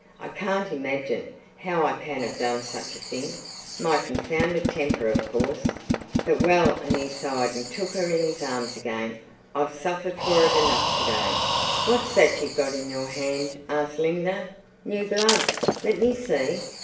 I can't imagine how I can have done such a thing. My confounded temper, of course. But—well"—and he sighed and took her in his arms again—"I've suffered for it enough to day." "What's that you've got in your hand?" asked Linda. "New gloves? Let me see."